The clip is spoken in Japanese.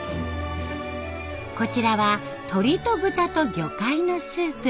こちらは鶏と豚と魚介のスープ。